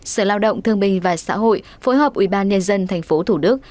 sở lao động thương minh và xã hội phối hợp ủy ban nhân dân tp hcm